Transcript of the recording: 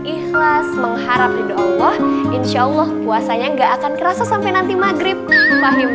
ikhlas mengharap di doa allah insyaallah puasanya enggak akan kerasa sampai nanti maghrib pahit